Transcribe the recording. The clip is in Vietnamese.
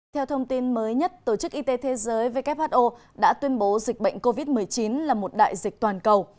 theo thông tin mới nhất tổ chức y tế thế giới who đã tuyên bố dịch bệnh covid một mươi chín là một đại dịch toàn cầu